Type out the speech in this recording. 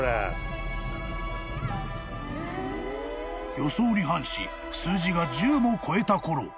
［予想に反し数字が１０も超えたころ］